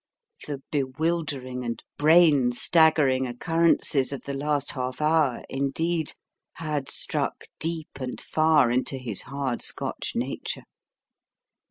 The bewildering and brain staggering occurrences of the last half hour, indeed, had struck deep and far into his hard Scotch nature.